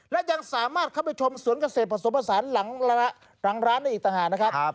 และยังสามารถเข้าไปชมสวนเกษตรผสมผสานหลังร้านได้อีกต่างหากนะครับ